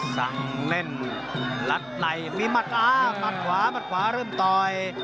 สั่งเล่นรัดไหล่มีมัดอ่าหมัดขวามัดขวาเริ่มต่อย